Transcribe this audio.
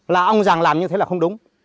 là ông giàng làm như thế là không đúng